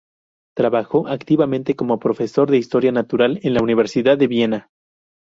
Trabajó activamente como profesor de historia natural en la Universidad de Viena.